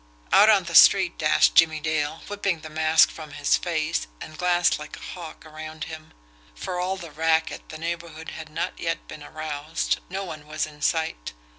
Out on the street dashed Jimmie Dale, whipping the mask from his face and glanced like a hawk around him. For all the racket, the neighbourhood had not yet been aroused no one was in sight.